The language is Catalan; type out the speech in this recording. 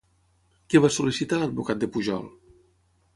Què va sol·licitar l'advocat de Pujol?